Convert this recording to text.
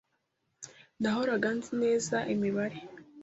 Nahoraga nzi neza imibare.